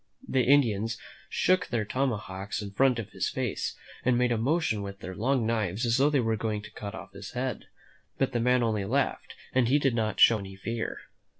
The Indians shook their tomahawks in front of his face, and made a motion with their long knives as though they were going to cut off his head, but the man only laughed and he did not show any fear.